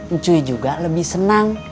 ucuy juga lebih seneng